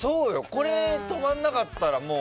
ここに止まらなかったら。